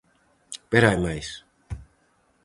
Pero hai máis: